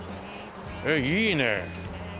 えっいいね。